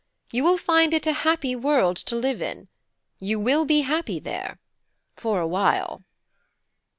You will find it a happy world to live in; you will be happy there for a while."